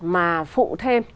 mà phụ thêm